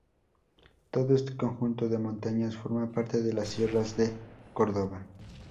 Todo este conjunto de montañas forma parte de las Sierras de Córdoba.